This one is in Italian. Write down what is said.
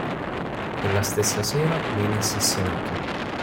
Quella stessa sera viene assassinato.